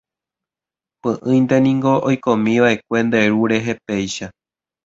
Py'ỹinte niko oikómiva'ekue nde ru rehe péicha.